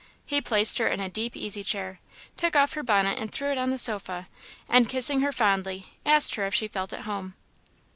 He placed her in a deep easy chair, took off her bonnet and threw it on the sofa, and kissing her fondly, asked her if she felt at home.